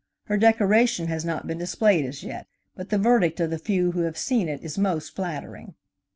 Her decoration has not been displayed as yet, but the verdict of the few who have seen it is most flattering.